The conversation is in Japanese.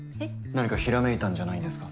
何かひらめいたんじゃないんですか？